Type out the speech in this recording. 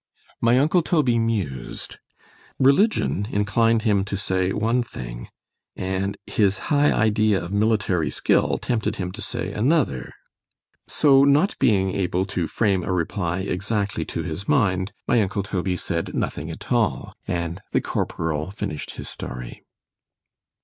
—my uncle Toby mused—— Religion inclined him to say one thing, and his high idea of military skill tempted him to say another; so not being able to frame a reply exactly to his mind——my uncle Toby said nothing at all; and the corporal finished his story.